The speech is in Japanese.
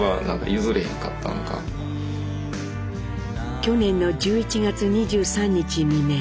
去年の１１月２３日未明。